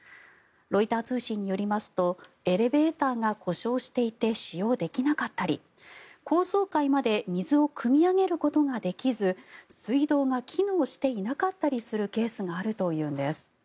ロイター通信によりますとエレベーターが故障していて使用できなかったり、高層階まで水をくみ上げることができず水道が機能していなかったりするケースがあるというんです。